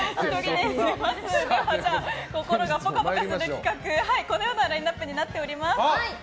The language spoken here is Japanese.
心がぽかぽかする企画このようなラインアップになっています。